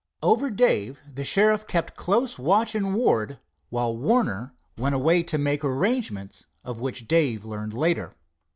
Over Dave the sheriff kept close watch and ward while Warner went away to make arrangements of which Dave learned later.